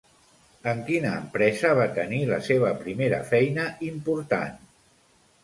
En quina empresa va tenir la seva primera feina important?